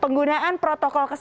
penggunaan protokol yang berbeda